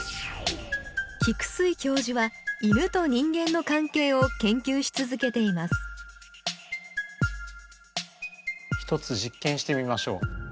菊水教授は犬と人間の関係を研究し続けています一つ実験してみましょう。